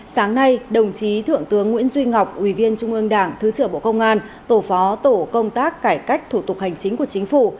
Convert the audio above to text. sáng nay đồng chí thượng tướng nguyễn duy ngọc ủy viên trung ương đảng thứ trưởng bộ công an tổ phó tổ công tác cải cách thủ tục hành chính của chính phủ